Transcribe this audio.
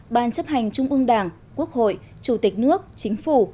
ban chấp hành trung ương đảng quốc hội chủ tịch nước chính phủ